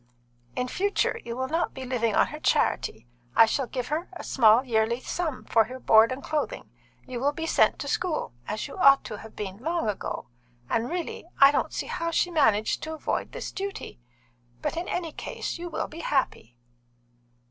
In future, you will not be living on her charity. I shall give her a small yearly sum for your board and clothing. You will be sent to school, as you ought to have been long ago, and really I don't see how she managed to avoid this duty. But in any case you will be happy."